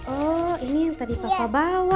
oh ini yang tadi pasko bawa